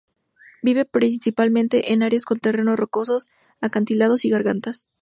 Vive principalmente en áreas con terreno rocoso, acantilados y gargantas.